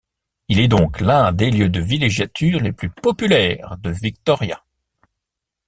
Il est donc l'un des lieux de villégiature les plus populaires de Victoria.